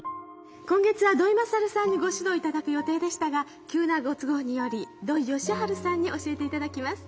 今月は土井勝さんにご指導頂く予定でしたが急なご都合により土井善晴さんに教えて頂きます。